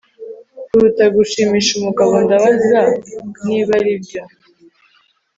kuruta gushimisha umugabo Ndabaza niba aribyo